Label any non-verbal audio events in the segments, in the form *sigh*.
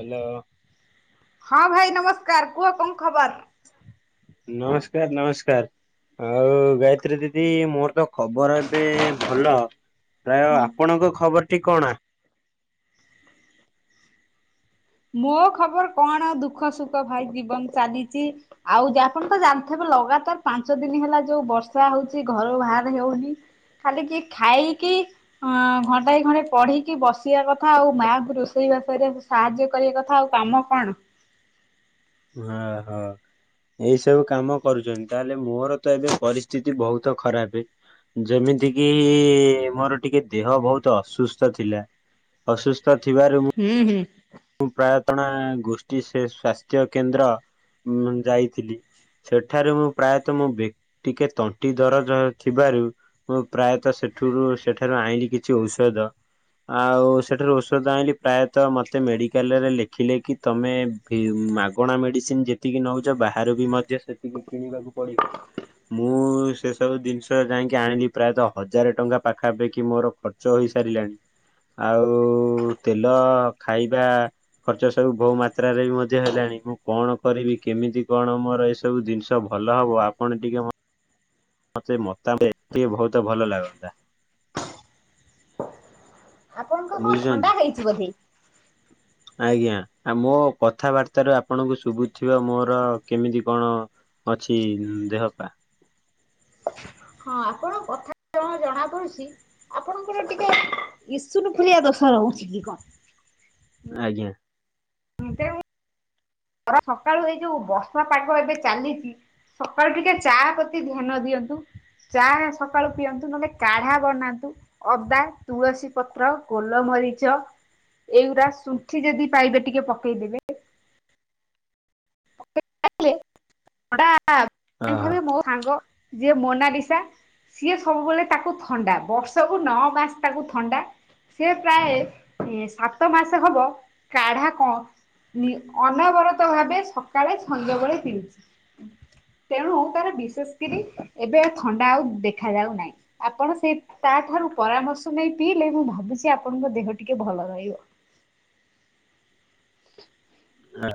Hello. ହଁ ଭାଇ ନମସ୍କାର କୁହ କଣ ଖବର? ନମସ୍କାର ନମସ୍କାର। ଆଉ ଗାୟତ୍ରୀ ଦିଦି ମୋର ତ ଖବର ଏବେ ଭଲ ପ୍ରାୟ ଆପଣଙ୍କ ଖବରଟି କଣ? ମୋ ଖବର କଣ ଦୁଃଖ ସୁଖ ଭାଇ ଜୀବନ ଚାଲିଛି ଆଉ ଆପଣ ତ ଜାଣିଥିବେ ଲଗାତାର ପାଞ୍ଚ ଦିନ ହେଲା ଯୋଉ ବର୍ଷା ହଉଛି ଘରୁ ବାହାର ହେଉନି। ଖାଲିିକି ଖାଇକି ଅ ଘଣ୍ଟା ଘଣ୍ଟେ ପଢିକି ବସିବା କଥା ଆଉ ମାଆଙ୍କୁୁ ରୋଷେଇ ବାଷରେ ସାହାଯ୍ୟ କରିବା କଥା ଆଉ କାମ କଣ? ହଁ ହଁ। ଏଇ ସବୁ କାମ କରୁଛନ୍ତି ତାହେଲେ ମୋର ତ ଏବେ ପରିସ୍ଥିତି ବହୁତ ଖରାପ ଯେମିତି କିି ମୋର ଟିକେ ଦେହ ବହୁତ ଅସୁସ୍ଥ ଥିଲା। ଅସୁସ୍ଥ ଥିବାରୁ ମୁଁ ହୁଁ ହୁଁ। ମୁଁ ପ୍ରାୟତଣା ଗୋଷ୍ଠୀ ସ୍ଵାସ୍ଥ୍ୟ କେନ୍ଦ୍ର ଯାଇଥିଲି। ସେଠାରୁ ମୁଁ ପ୍ରାୟତଃ ମୋ ଟିକେ ତଣ୍ଟି ଦରଜ ଥିବାରୁ ମୁଁ ପ୍ରାୟତଃ ସେଠରୁ ସେଠାରୁ ଆଣିଲି କିଛି ଔଷଧ ଆଉ ସେଠାରୁ ଔଷଧ ଆଣିଲି ପ୍ରାୟତଃ ମତେ ମତେ ମେଡିକାଲରେ ଲେଖିଲେ କି ତମେ ମାଗଣା ମେଡିସିନ ଯେତିକି ନେଉଛ ବାହାରୁ ବି ମଧ୍ୟ ସେ ଟିକେ କିଣିବାକୁ ପଡିବ। ମୁଁ ସେ ସବୁ ଜିନିଷ ଯାଇକି ଆଣିଲି ପ୍ରାୟତଃ ହଜାର ଟଙ୍କା ପାଖାପାଖି ମୋର ଖ ଚ ହେଇସାରିଲାଣି ଆଉ ତେଲ ଖାଇବା। ଖର୍ଚ୍ଚ ସବୁ ବହୁ ମାତ୍ରାରେ ବି ମଧ୍ୟ ହେଲାଣି ମୁଁ କଣ କରିବି କେମିତି କଣ ମୋର ଏ ସବୁ ଜିନିଷ ଭଲ ହବ ଆପଣ ଟିକେ ମତେ ମତା ବହୁତ ଭଲ ଲାଗନ୍ତା। ଆପଣଙ୍କ କଣ ଥଣ୍ଡା ବୁଝୁଛନ୍ତି। ହେଇଛିିବ ବୋଧେ? ଆଜ୍ଞା ଆଉ ମୋ କଥାବାର୍ତା ର ଆପଣଙ୍କୁ ଶୁଭୁଥିବ ମୋର କେମିତି କଣ? ଅଛି ଦେହ ପା ହଁ ଆପଣ କଥା ତାପ ଆପଣଙ୍କର ଟିକେ ଈସନ ଫଲିଆ ଦୋଷ ରହୁଛି କି କଣ? ଆଜ୍ଞା। ଖରା ସକାଳୁ ଏଇ ଯୋଉ ବର୍ଷା ପାଗ ଏବେ ଚାଲିଛି। ସକାଳୁ ଟିକେ ଚା ପ୍ରତି ଧ୍ୟାନ ଦିଅନ୍ତୁ। ଚା ସକାଳୁ ପିଅନ୍ତୁ ନହେଲେ କାଢ଼ା ବନାନ୍ତୁ। ଅଦା ତୁଳସୀ ପତ୍ର ଗୋଲମରିଚ ଏଇଗୁଡ଼ା ଶୁଣ୍ଠି ଯଦି ପାଇବେ ଟିକେ ପକେଇ ଦେବେ *unintelligible* ଓହୋ। ସାଙ୍ଗ ଯିଏ ମୋନାଲିସା ସିଏ ସବୁବେଳେ ତାକୁ ଥଣ୍ଡା ବର୍ଷକୁ ନଅ ମାସ ତାକୁ ଥଣ୍ଡା ସେ ପ୍ରାୟ ସାତ ମାସ ହବ କାଢା କଣ? ଅନବରତ ଭାବେ ସକାଳେ ସଞ୍ଜବେଳେ ପିଇ ତେଣୁ ତାର ବିଶେଷ କରି ଏବେ ଥଣ୍ଡା ଆଉ ଦେଖାଯାଉ ନାହିଁ। ଆପଣ ସେ ତାଠାରୁ ପରାମର୍ଶ ନେଇ ପିଇଲେ ମୁଁ ଭାବୁଛି ଆପଣଙ୍କ ଦେହ ଟିକେ ଭଲ ରହିବ। ହ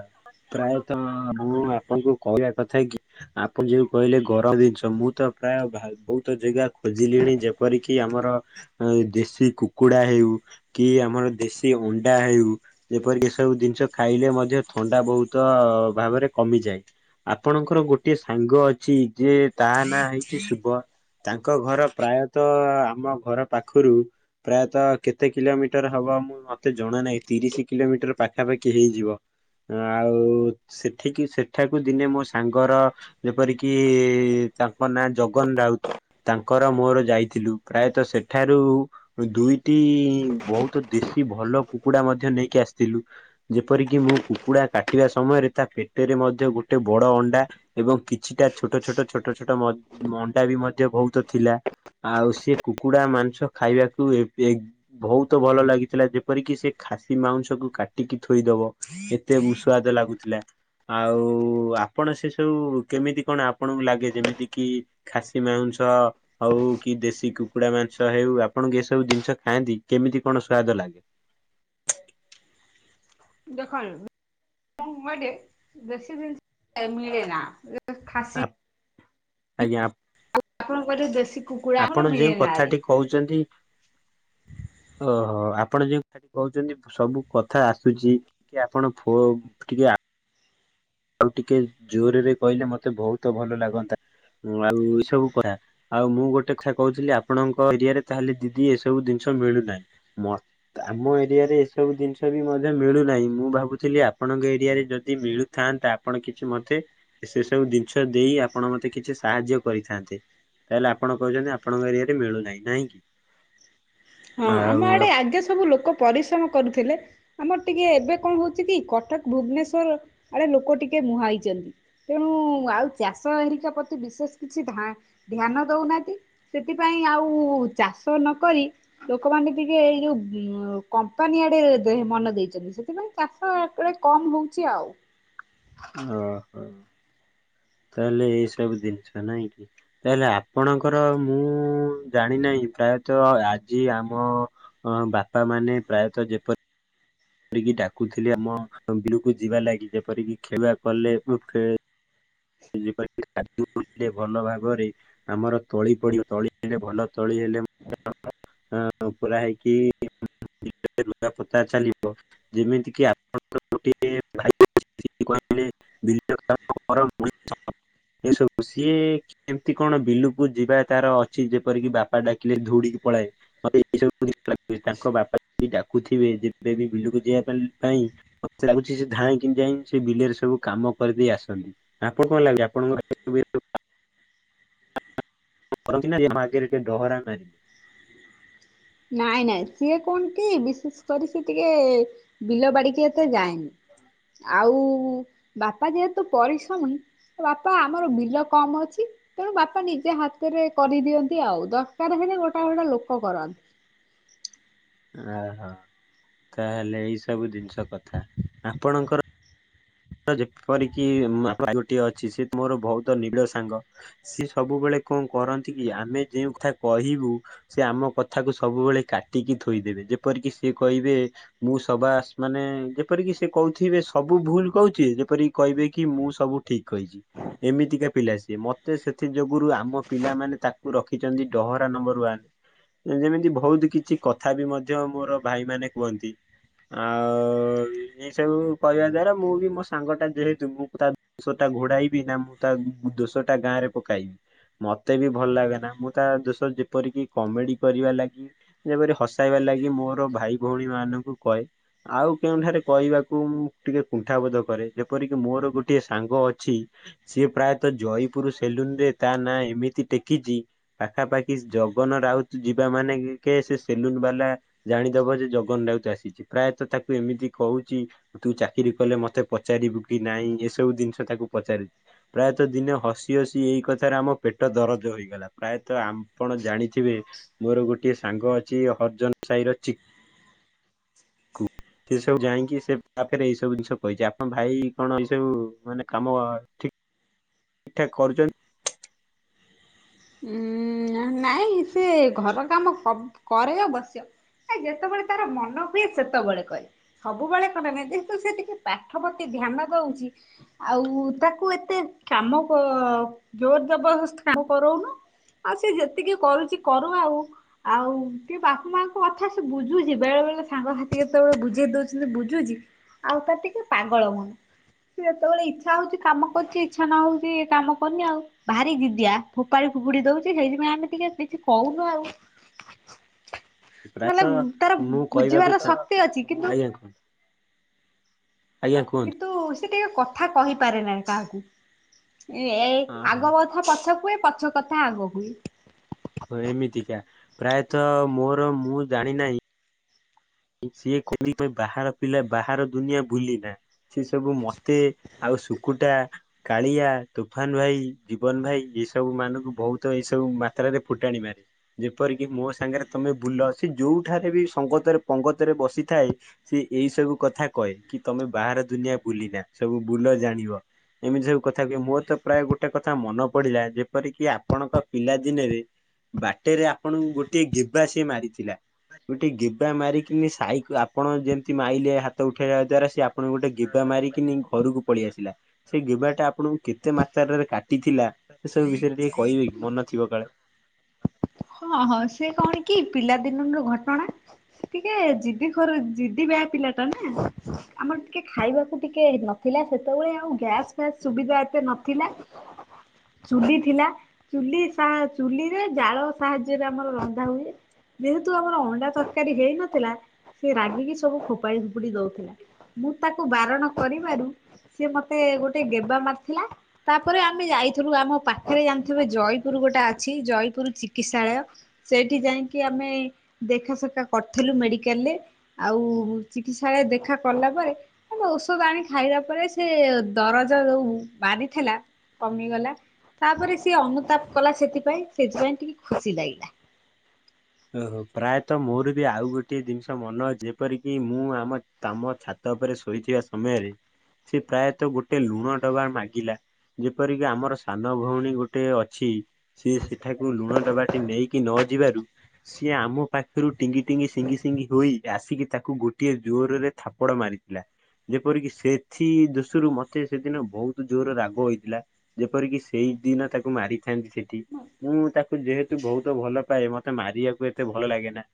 ପ୍ରାୟତଃ ମୁଁ ଆପଣଙ୍କୁ କହିବା କଥା କି? ଆପଣ ଯୋଉ କହିଲେ ଗରମ ଜିନିଷ ମୁଁ ତ ପ୍ରାୟ ବହୁତ ଜାଗା ଖୋଜିଲିଣି ଯେପରିକି ଆମର ଦେଶୀ କୁକୁଡା ହେଉ। କି ଆମର ଦେଶୀ ଅଣ୍ଡା ହେଉ ଯେପରିକ ଏ ସବୁ ଜିନିଷ ଖାଇଲେ ମ ଯେ ଥଣ୍ଡା ବହୁତ ଭାବରେ କମିଯାଏ। ଆପଣଙ୍କର ଗୋଟଏ ସାଙ୍ଗ ଅଛି ଯେ ତାହା ନାଁ ହେଇଛି ଶୁଭ ତାଙ୍କ ଘର ପ୍ରାୟତଃ ଆମ ଘର ପାଖରୁ ପ୍ରାୟତଃ କେତେ କିଲୋମିଟର ହବ ମୁଁ। ମତେ ଜଣା ନାହିଁ ତିରିଶି କିଲୋମିଟର ପାଖାପାଖି ହେଇଯିବ। ଆଉ ସେଠିକି ସେଠାକୁ ଦିନେ ମୋ ସାଙ୍ଗର। ଯେପରିକି ତାଙ୍କ ନାଁ ଜଗନ ରାଉତ। ତାଙ୍କର ମୋର ଯାଇଥିଲୁ ପ୍ରାୟତଃ ସେଠାରୁ। ଦୁଇଟି ବହୁତ ଦେଶୀ ଭଲ କୁକୁଡା ମଧ୍ୟ ନେଇକି ଆସିଥିଲୁ। ଯେପରିକି ମୁଁ କୁକୁଡା କାଟିବା ସମୟରେ ତା ପେଟରେ ମଧ୍ୟ ଗୋଟେ ବଡ ଅଣ୍ଡା। ଏବଂ କିଛିଟା ଛୋଟ ଛୋଟ ଛୋଟ ଛୋଟ ମଣ୍ଡା ବି ମଧ୍ୟ ବହୁତ ଥିଲା। ଆଉ ସେି କୁକୁଡ଼ା ମାଂସ ଖାଇବାକୁ ଏବେ। ବହୁତ ଭଲ ଲାଗିଥିଲା। ଯେପରିକି ସେ ଖାସି ମାଉଁସକୁ କାଟିକି ଥୋଇଦବ। ଏବଂ ସୁଆଦ ଲାଗୁଥିଲା। ଆଉ ଆପଣ ସେ ସବୁ କେମିତି କଣ ଆପଣଙ୍କୁ ଲାଗେ ଯେମିତି କି। ଖାସି ମାଉଁସ୍। ହଉ କି ଦେଶୀ କୁକୁଡା ମାଂସ ହଉ। ଆପଣଙ୍କୁ ଏ ସବୁ ଜିନିଷ ଖାଆନ୍ତି କେମିତି କଣ ସ୍ଵାଦ ଲାଗେ। ଦେଖନ୍ତ ବୀ ଜିନିଷ ମିଳେ ନା *unintelligible* ଆଜ୍ଞା। ଆପଣ କହିଲେ ଦେଶୀ କୁକୁଡ଼ା ଆମର ମିଳେ ନା ଇଆଡ଼େ। ହଉଛନ୍ତି। ଓହୋ ଆପଣ ଯୋଉ କଥା କହୁଛନ୍ତି ସବୁ କଥା ଆସୁଛି। ଟେ ଆପଣ ଟିକେ *unintelligible* ଆଉ ଟିକେ ଜୋରରେ କହିଲେ ମତେ ବହୁତ ଭଲ ଲାଗନ୍ତା ଆଉ ଏ ସବୁ କଥା। ଆଉ ମୁଁ ଗୋଟେ କଥା କହୁଥିଲି। ଆପଣଙ୍କ ଏରିଆ ରେ ତାହେଲେ ଦିଦି ଏସବୁ ଜିନିଷ ମିଳୁନାହିଁ ମ। ଆମ ଏରିଆରେ ଏସବୁ ଜିନିଷ ବି ମଧ୍ୟ ମିଳୁନାହିଁ। ମୁଁ ଭାବୁଥିଲି ଆପଣଙ୍କ ଏରିଆରେ ଯଦି ମିଳୁ। ଥାନ୍ତେ ଆପଣ କିଛି ମତେ ସେ ସବୁ ଜିନିଷ ଦେଇ ଆପଣ ମତେ କିଛି ସାହାଯ୍ୟ କରିଥାନ୍ତେ। ତାହେଲେ ଆପଣ କହୁଛନ୍ତି। ଆପଣଙ୍କ ଏଇଆରେ ମିଳୁନାହିଁ ନାହିଁ କି। ହଁ ଆଉ ଆମ ଆଡେ ଆପ- ଆଗେ ସବୁ ଲୋକ ପରିଶ୍ରମ କରୁଥିଲେ। ଆମର ଟିକେ ଏବେ କଣ ହଉଛି କି। କଟକ ଭୁବନେଶ୍ଵର ଆଡେ ଲୋକ ଟିକେ ମୁହାଁ ହେଇଛନ୍ତି। ତେଣୁ ଆଉ ଚାଷ ହେରିକା ପ୍ରତି ବିଶେଷ କିଛି ଧା। ଧ୍ୟାନ ଦଉନାହାନ୍ତି। ସେଥିପାଇଁ ଆଉ ଚାଷ ନକରି। ଲୋକମାନେ ଟିକେ ଏଇ ଯୋଉ କମ୍ପାନୀ ଆଡେ ମନ ଦେଇଛନ୍ତି ସେଥିପାଇଁ ଚାଷ। ଚାଷ ଏପଟେ କମ ହଉଛି ଆଉ। ଓହୋ ତାହେଲେ ଏଇସବୁ ଜିନିଷ ନାଇଁ କି। ତାହେଲେ ଆପଣଙ୍କର ମୁଁ ଜାଣି ନାହିଁ ପ୍ରାୟତଃ ଆଜି ଆମ। ଅ ବାପା ମାନେ ପ୍ରାୟତ ଯେପରି। ଦିଦି ଡାକୁଥିଲେ ଆମ ବିଲ କୁ ଯିବାଲାଗି। ଯେପରିକି ଖେଲୁଆ କଲେ ସୁଖେ। ଯୋ ଭଲ ଭାବରେ *unintelligible* ଆମର ତଳି ପଡିବ ତଳି ହେଲେ ଭଲ ତଳି ହେଲେ। ହଁ ଉପରା ହେଇକି ରୁଆ ପୋତା ଚାଲିବ। ଯେମିତି କି ଆପଣ ଗୋଟିଏ *unintelligible* *unintelligible* ସିଏ ଏମିତି କଣ ବିଲୁକୁ ଯିବା ତାର ଅଛି ଯେପରିକି ବାପା ଡାକିଲେ ଧୋଉଡ଼ିକି ପଳାଏ। ମତେ ଏଇ ସବୁ ଲୁ ତାଙ୍କ ବାପା ଡାକୁଥିବେ ଯେବେ ବି ବିଲକୁ ଯିବା ପାଇଁ। ମତେ ଲାଗୁଛି ସେ ଧାଇ କି ଯାଇ ସେ ବିଲରେ ସବୁ କାମ କରିଦେଇ ଆସନ୍ତି। ଆପଣ କଣ ଲାଗୁଛି ଆପଣଙ୍କ କେତେ। କରନ୍ତି ନା ମୋ ଆଗରେ ଡହରା ମାରି। ନାଇଁ ନାଇଁ ସିଏ କଣ କି ବିଶେଷ କରି ସେ ଟିକେ ବିଲ ବାଡିିକି ଏତେ ଯାଏନି। ଆଉ ବାପା ଯେହେତୁ ପରିଶ୍ରମି। ବାପା ଆମର ବିଲ କମ ଅଛି। ତେଣୁ ବାପା ନିଜେ ହାତରେ କରିଦିଅନ୍ତି ଆଉ। ଦରକାର ହେଲେ ଗୋଟା ଗୋଟା ଲୋକ କରନ୍ତି। ଓହୋ ତାହେଲେ ଏଇ ସବୁ ଜିନିଷ କଥା। ଆପଣଙ୍କର ଯେପରିକି ଟିଏ ଅଛି। ସିଏ ତ ମୋର ବହୁତ ନୀଳ ସାଙ୍ଗ। ସିଏ ସବୁବେଳେ କଣ କରନ୍ତି କି ଆମେ ଯେଉଁ କଥା କହିବୁ ସେ ଆମ କଥାକୁ ସବୁବେଳେ କାଟିକି ଥୋଇଦେବେ। ଯେପରିକି ସେ କହିବେ ମୁଁ ସବାସ ମାନେ ଯେପରିକି ସେ କହୁଥିବେ ସବୁ ଭୁଲ କହୁଛି ଯେପରି କହିବେ କି ମୁଁ ସବୁ ଠିକ କହିଛି। ଏମିତିକା ପିଲା ସିଏ। ମତେ ସେଥି ଯୋଗୁରୁ ଆମ ପିଲାମାନେ ତାକୁ ରଖିଛନ୍ତି ଡହରା ନମ୍ବର ୱାନ। ଏ ଯେମିତି ବହୁତ କିଛି କଥା ବି ମଧ୍ୟ ମୋର ଭାଇ ମାନେ କୁହନ୍ତି। ଆଉ ଏଇ ସବୁ କହିବା ଦ୍ଵାରା ମୁଁ ବି ମୋ ସାଙ୍ଗ ଟା ଯେହେତୁ ମୁଁ ତା ଦଶ ଟା ଘୋଡାଇବି ନା ମୁଁ ତା ଦୋଶ ଟା ଗାଁ ରେ ପକାଇବି। ମତେ ବି ଭଲ ଲାଗେନା ମୁଁ ତା ଦୋଶ ଯେପରିକି କମେଡି କରିବା ଲାଗି ଯେପରି ହସାଇବା ଲାଗି ମୋର ଭାଇ ଭଉଣୀ ମାନଙ୍କୁ କଏ। ଆଉ କେଉଁଠାରେ କହିବାକୁ ମୁଁ ଟିକେ କୁଣ୍ଠା ବୋଧକ କରେ ଯେପରିକି ମୋର ଗୋଟିଏ ସାଙ୍ଗ ଅଛି। ସିଏ ପ୍ରାୟତଃ ଜୟୀପୁର ସେଲୁନରେ ତା ନାଁ ଏମିତି ଟେକିଛି। ପାଖାପାଖି ଜଗନ ରାଉତ ଯିବା ମାନେ କେ ସେ ସେଲୁନ ବାଲା ଜାଣିଦବ ଯେ ଜଗନ ରାଉତ ଆସିଛି। ପ୍ରାୟତଃ ତାକୁ ଏମିତି କହୁଛି। ତୁ ଚାକିରି କଲେ ମତେ ପଚ ପଚାରିବୁ କି ନାଇଁ ଏସବୁ ଜିନିଷ ତାକୁ ପଚାରି। ପ୍ରାୟତଃ ଦିନେ ହସି ହସି ଏଇ କଥାରେ ଆମ ପେଟ ଦରଜ ହୋଇଗଲା। ପ୍ରାୟତଃ ଆପଣ ଜାଣିଥିବେ ମୋର ଗୋଟିଏ ସାଙ୍ଗ ଅଛି ହରିର୍ନ ସାହିର ଚି କୁ ସେ ସବୁ ଯାଇକି ସେ ତାପରେ ଏଇ ସବୁ ଜିନିଷ କହିଛି। ଆ ହଁ ଭାଇ କଣ ଏଇ ସବୁ ମାନେ କାମ ଠିକ। ଠାକ କରୁଛନ୍ତି। ଉଁ ନାଇଁ ସେ ଘର କାମ କରେ ଅବସ୍ୟ। ଏ ଯେତେବେଳେ ତାର ମନ ହୁଏ ସେତେବେଳେ କରେ। ସବୁବେଳେ କରେ ନାହି। ଯେହେତୁ ସେ ଟିକେ ପାଠ ପ୍ରତି ଧ୍ୟାନ ଦଉଛି। ଆଉ ତାକୁ ଏତେ କାମ କ ଜୋର ଜବରସ୍ତ କାମ କରଉନୁ। ଆଉ ସେ ଯେତିକି କରୁଛି କରୁ ଆଉ। ଆଉ ଟିକେ ବାପା ମାଆଙ୍କ କଥା ସେ ବୁଝୁଛି। ବେଳେ ବେଳେ ସାଙ୍ଗସାଥି କେତେବେଳେ ବୁଝେଇ ଦଉଛନ୍ତି ବୁଝୁଛି। ଆଉ ତାର ଟିକେ ପାଗଳ ମନ। ଯେତେବେଳେ ଇଛା ହଉଛି କାମ କରୁଛି। ଇଚ୍ଛା ନ ହଉଛି କାମ କରନି ଆଉ ଭାରି ଯିଦିଆ। ଫୋପାଡ଼ି ଫୋପୁଡି ଦଉଛି ସେଇଥିପାଇଁ ଆମେ ଟିକେ କିଛି କହୁନୁ ଆଉ। ମାନେ ପ୍ରାୟତଃ ତାର ମୁଁ କହିବାକୁ ବୁଝିବାର ଚା ଶକ୍ତି ଅଛି। କିନ୍ତୁ ଆଜ୍ଞା କୁହନ୍ତୁ ଆଜ୍ଞା ଆଉ କୁହନ୍ତୁ କିନ୍ତୁ ସେ ଟିକେ କଥା କହିପାରେ ନାହି କାହାକୁ। ଏ ହଁ ଆଗବତ ପଛ କୁହେ ପଛ କଥା ଆଗ ହୁଏ। ହ ଏମିତିକା ପ୍ରାୟତଃ ମୋର ମୁଁ ଜାଣି ନାହିଁ। ସିଏ କହିଲି ବାହାର ପିଲା ବାହାର ଦୁନିଆ ଭୁଲିନା। ସେ ସବୁ ମତେ ଆଉ ଶୁକୁଟା କାଳିଆ ତୁଫାନ ଭାଇ ଜୀବନ ଭାଇ ଏଇ ସବୁ ମାନଙ୍କୁ ବହୁତ ଏଇ ସବୁ ମାତ୍ରାରେ ଫୁଟାଣି ମାରେ। ଯେପରିକି ମୋ ସାଙ୍ଗରେ ତମେ ବୁଲ। ସେ ଯୋଉଠାରେ ବି ସଙ୍ଗତରେ ପଙ୍ଗତରେ ବସିଥାଏ। ସେ ଏଇ ସବୁ କଥା କହେ କି ତମେ ବାହାର ଦୁନିଆ ବୁଲି ନା ସବୁ ବୁଲ ଜାଣିବ। ଏମିତି ସବୁ କଥା କୁହେ ମୋର ତ ପ୍ରାୟ ଗୋଟେ କଥା ମନ ପଡିଲା ଯେପରିକି ଆପଣଙ୍କ ପିଲା ଦିନେରେ ବାଟରେ ଆପଣଙ୍କୁ ଗୋଟିଏ ଗିବା ସିଏ ମାରିଥିଲା ଗୋଟେ ଗିବା ମାରିକି କି ସାଇ ଆପଣ ଯେମିତି ମାଇଲେ ହାତ ଉଠେଇବା ଦ୍ଵାରା ସିଏ ଆପଣଙ୍କୁ ଗୋଟେ ଗେବା ମାରିକିନି ଘରକୁ ପଳେଇ ଆସିଲା। ସେ ଗେବାଟା ଆପଣଙ୍କୁ କେତେ ମାତ୍ରାରରେ କାଟିଥିଲା ସେ ସବୁ ବିଷୟରେ ଟିକେ କହିବେ କି ମନେ ଥିବ କାଳେ। ହଁ ହଁ ସେ କଣ କି ପିଲା ଦିନ ରୁ ଘଟଣା। ସେ ଟିକେ ଜିଦି ଖର ଜିଦି ବୟା ପିଲା ଟା ନା ଆମର ଟିକେ ଖାଇବାକୁ ଟିକେ ନ ଥିଲା ସେତେବେଳେ ଆଉ ଗ୍ୟାସ୍ ଫ୍ୟାସ୍ ସୁବିଧା ଏତେ ନଥିଲା। *inaudible* ଚୁଲି ଥିଲା ଚୁଲି ସା ଚୁଲିରେ ଜାଳ ସାହାଯ୍ୟରେ ଆମର ରନ୍ଧା ହୁଏ। ଯେହେତୁ ଆମର ଅଣ୍ଡା ତରକାରୀ ହେଇନଥିଲା ସେ ରାଗିକି ସବୁ ଫୋପାଡି ଫୋପୁଡି ଦଉଥିଲା। ମୁଁ ତାକୁ ବାରଣ କରିବାରୁ ସିଏ ମତେ ଗୋଟେ ଗେବା ମାରିଥିଲା। ତାପରେ ଆମେ ଯାଇଥିଲୁ ଆମ ପାଖରେ ଜାଣିଥିବେ ଜୟପୁର ଗୋଟେ ଅଛି ଜୟପୁର ଚି କିତ୍ସାଳୟ ସେଇଠି ଯାଇକି ଆମେ ଦେଖାସଖାତ କରିଥିଲୁ ମେଡିକାଲ ରେ। ଆଉ ଚିକିତ୍ସାଳୟ ଦେଖା କଲା ପରେ ଔଷଧ ଆଣି ଖାଇଲା ପରେ ସେ ଦରଜ ଯୋଉ ବାହାରିଥିଲା। କମିଗଲା ତାପରେ ସିଏ ଅନୁତାପ କଲା ସେଥିପାଇଁ ସେଥିପାଇଁ ଟିକେ ଖୁସି ଲାଗିଲା। ଓହୋ ପ୍ରାୟତଃ ମୋର ବି ଆଉ ଗୋଟେ ଜିନିଷ ମନ ଯେପର କିି ମୁଁ ଆମ ତମ ଛ ତାପରେ ଶୋଇଥିବା ସମୟରେ ସେ ପ୍ରାୟତଃ ଗୋଟେ ଲୁଣ ଡବା ମାଗିଲା। ଯେପରିକି ଆମର ସାନ ଭଉଣୀ ଗୋଟେ ଅଛି ସିଏ ସେଠାକୁ ଲୁଣ ଡବାଟି ନେଇକି ନ ଯିବାରୁ ସିଏ ଆମ ପାଖରୁ ଟିଙ୍ଗି ଟିଙ୍ଗି ସିଙ୍ଗି ସିଙ୍ଗି ହୋଇ ଆସିକି ତାକୁ ଗୋଟିଏ ଜୋରରେ ଥାପଡ଼ ମାରିଥିଲା। ଯେପରିକି ସେଥି ଦୃଶରୁ ମତେ ସେଦିନ ବହୁତ ଜୋର ରାଗ ହୋଇଥିଲା। ଯେପରିକି ସେଇଦିନ ତାକୁ ମାରି ଥାନ୍ତି ସେଠି ମୁଁ ତାକୁ ଯେହେତୁ ବହୁତ ଭଲ ପାଏ ମତେ ମାରିବାକୁ ଏତେ ଭଲ ଲାଗେ ନା।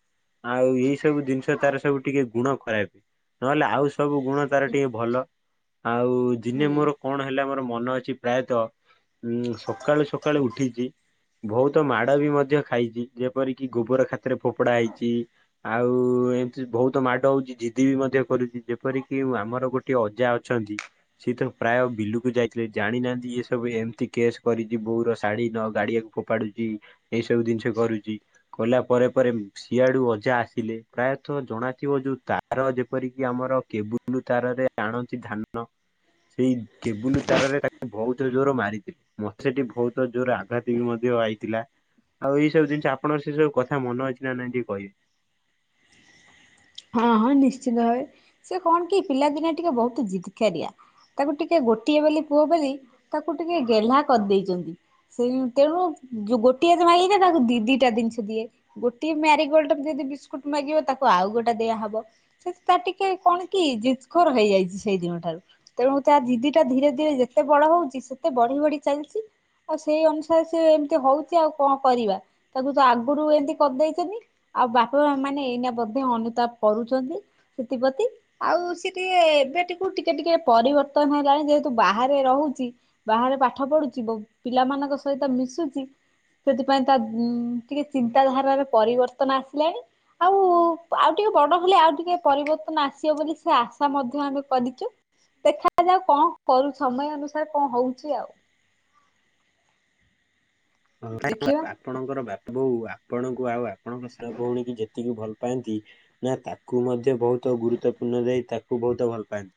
ଆଉ ଏଇ ସବୁ ଜିନିଷ ତାର ସବୁ ଟିକେ ଗୁଣ ଖରାପ। ନହେଲେ ଆଉ ସବୁ ଗୁଣ ତାର ଟିକେ ଭଲ। ଆଉ ହୁଁ ଦିନେ ମୋର କଣ ହେଲା ମୋର ମନ ଅଛି ପ୍ରାୟତଃ ଉଁ ସକାଳୁ ସକାଳୁ ଉଠିଚ ବହୁତ ମାଡ଼ ବି ମଧ୍ୟ ଖାଇଚି ଯେପରିକି ଗୋବର ଖାାତରେ ଫୋପଡା ହେଇଚି। ଆଉ ଏମିତି ବହୁତ ମାଡ ହଉଚି ଜିଦି ବି ମଧ୍ୟ କରୁଚି ଯେପରିକି ଆମର ଗୋ ଟେ ଅଜା ଅଛନ୍ତି। ସିଏ ତ ପ୍ରାୟ ବିଲୁକୁ ଯାଇଥିଲେ ଜାଣିନାହାନ୍ତି ଏ ସବୁ ଏମିତି କେସ୍ କରିଚି। ବୋଉର ଶାଢୀ ନ ଗାଡିଆକୁ ଫୋପାଡୁଚି ଏଇ ସବୁ ଜିନିଷ କରୁଚି କଲା ପରେ ପରେ ସିଆଡୁ ଅଜା ଆସିଲେ ପ୍ରାୟତଃ ଜଣାଥିବ ଯୋଉ ତାର ଯେପରିକି ଆମର କେବୁ ଲୁ ତାରରେ ଆଣନ୍ତି ଧାନ ସେଇ କେବୁଲ ତାରରେ ତାକୁ ବହୁତ ଜୋର ମାରିଥିଲେ। ମ ସେଠି ବହୁତ ଜୋର ଆଘାତ ବି ମଧ୍ୟ ଆଇଥିଲା। ଆଉ ଏଇ ସବୁ ଜିନିଷ ଆପଣ ସେ ସବୁ କଥା ମନ ଅଛି ନା ନାଇଁ ଟିକେ କହିବେ। ହଁ ହଁ ନିଶ୍ଚିନ୍ତ ଭାବେ ସେ କଣ କି ପିଲାଦିନ ଟିକେ ବହୁତ ଜିତ କାରିଆ। ତାକୁ ଟିକେ ଗୋଟିଏ ବୋଲି ପୁଅ ବୋଲି ତାକୁ ଟିକେ ଗେହ୍ଲା କରିଦେଇଚନ୍ତି। ସେ ତେଣୁ ଯୋଉ ଗୋଟିଏ ମାଗେ ନା ତାକୁ ଦିଟା ଜିନିଷ ଦିଏ। ଗୋଟେ ମ୍ୟାରିଗୋଲ୍ଡ ଯଦି ବିସ୍କୁଟ ମାଗିବ ତାକୁ ଆଉ ଗୋଟେ ଦିଆହବ। ସେ ତା ଟିକେ କଣ କି ଜିତଖୋର ହେଇଯାଇଚି ସେଇ ଦିନ ଠାରୁ। ତେଣୁ ତା ଦିଦି ଟା ଧୀରେ ଧୀରେ ଯେତେ ବଡ ହଉଚି ସେତେ ବଢି ବଢି ଚାଲିଚି। ଆଉ ସେଇ ଅନୁସାରେ ସେ ଏମିତି ହଉଚି ଆଉ କଣ କରିବା। ତାକୁତ ଆଗରୁ ଏମିତି କରିଦେଚନି ଆଉ ବାପା ମାମାନେ ଏଇନା ବୋଧେ ଅନୁ ତା କରୁଚନ୍ତି ସେଥିପତି ଆଉ ସିଏ ଟିକେ ଏବେ ଟକୁ ଟିକେ ଟିକେ ପରିବର୍ତ୍ତନ ହେଇଲାଣି ଯେହେତୁ ବାହାରେ ରହୁଚି। ବାହାରେ ପାଠ ପଢୁଛି ପିଲାମାନଙ୍କ ସହିତ ମିଶୁଚି ସେଥିପାଇଁ ତା ଉ ଟିକେ ଚିନ୍ତାଧାରାରେ ପରିବର୍ତ୍ତନ ଆସିଲାଣି ଆଉ ତାର ଆଉ ଟିକେ ବଡ଼ ହେଲେ ଆଉ ଟିକେ ପରିବର୍ତ୍ତନ ଆସିବ ବୋଲି ସେ ଆଶା ମଧ୍ୟ ଆମେ କରିଚୁ। ଦେଖ ଯାଉ କଣ କରୁ ସମୟ ଅନୁସାରେ କଣ ହଉଚି ଆଉ। ଦେଖିବା *unintelligible* ଆପଣଙ୍କର ବାପା ବୋଉ ଆପଣଙ୍କୁ ଆଉ ଆପଣଙ୍କ ସନ ଭଉଣୀକି ଯେତିକି ଭଲ ପାଆନ୍ତି ନା ତା କୁ ମଧ୍ୟ ବହୁତ୍ ଗୁରୁତ୍ୱପୂର୍ଣ୍ଣ ଦେଇ ତାକୁ ବହୁତ ଭଲ ପାଆନ୍ତି?